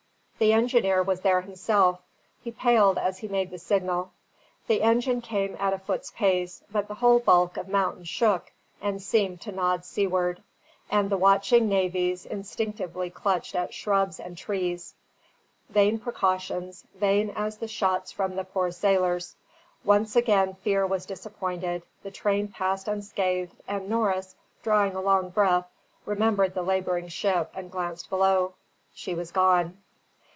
The engineer was there himself; he paled as he made the signal: the engine came at a foot's pace; but the whole bulk of mountain shook and seemed to nod seaward, and the watching navvies instinctively clutched at shrubs and trees: vain precautions, vain as the shots from the poor sailors. Once again fear was disappointed; the train passed unscathed; and Norris, drawing a long breath, remembered the labouring ship and glanced below. She was gone.